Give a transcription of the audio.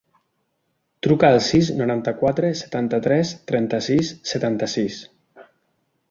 Truca al sis, noranta-quatre, setanta-tres, trenta-sis, setanta-sis.